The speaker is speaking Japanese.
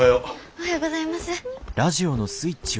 おはようございます。